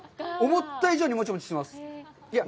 思った以上にもちもちしています！